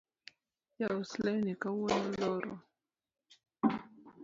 Jaus lewni kawuono oloro